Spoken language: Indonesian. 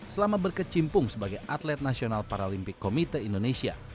selama berkecimpung sebagai atlet nasional paralimpik komite indonesia